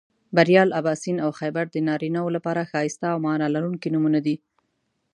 بریال، اباسین او خیبر د نارینهٔ و لپاره ښایسته او معنا لرونکي نومونه دي